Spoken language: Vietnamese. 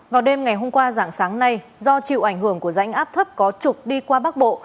vào đêm ngày hôm qua dạng sáng nay do chịu ảnh hưởng của rãnh áp thấp có trục đi qua bắc bộ